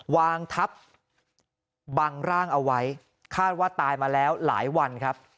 วางทับบังร่างเอาไว้คาดว่าตายมาแล้วหลายวันครับ